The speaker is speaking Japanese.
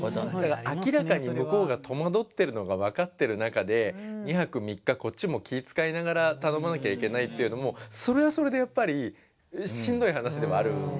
明らかに向こうが戸惑ってるのが分かってる中で２泊３日こっちも気ぃ遣いながら頼まなきゃいけないっていうのもそれはそれでやっぱりしんどい話ではあるんですよ。